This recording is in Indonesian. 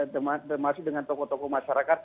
termasuk dengan tokoh tokoh masyarakat